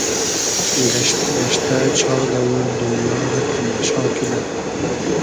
گئشتۂ گئشتۂ چار دئوور دونیا رۂ تئماشا کیدۂ